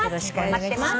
待ってます。